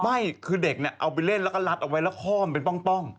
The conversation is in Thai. ไม่คือเด็กเนี่ยเอาไปเล่นแล้วก็รัดเอาไว้แล้วข้อมเป็นป้อง